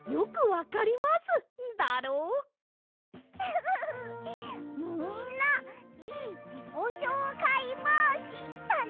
フフフッみんないいじこしょうかいぼうしだね！